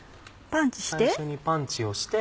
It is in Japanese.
パンチして。